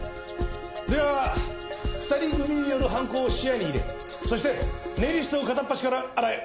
では２人組による犯行を視野に入れそしてネイリストを片っ端から洗え。